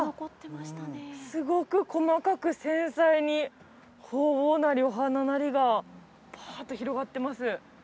すごく細かく繊細に鳳凰なりお花なりがパーッと広がってます